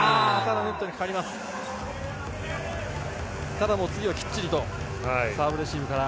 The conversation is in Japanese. ただ、次はきっちりとサーブレシーブから。